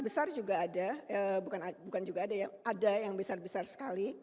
besar juga ada bukan juga ada ya ada yang besar besar sekali